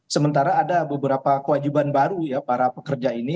sementara ada beberapa kewajiban baru ya para pekerja ini